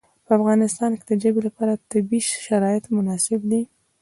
په افغانستان کې د ژبې لپاره طبیعي شرایط مناسب دي.